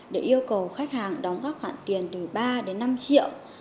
để yêu cầu khách hàng đóng các khoản tiền từ ba đến năm triệu